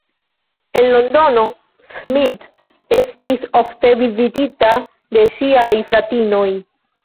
En Londono, Smith estis ofte vizitita de ŝiaj fratinoj.